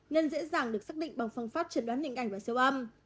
nên dễ dàng được xác định bằng phong pháp chấn đoán hình ảnh và siêu âm